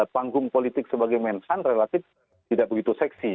panggung politik sebagai menhan relatif tidak begitu seksi